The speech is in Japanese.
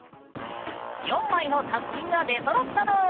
４枚の作品が出そろったぬん！